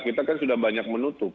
kita kan sudah banyak menutup